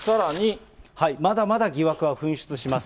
まだまだ疑惑は噴出します。